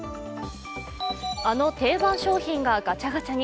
あの定番商品がガチャガチャに。